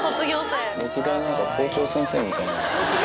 歴代の校長先生みたいな。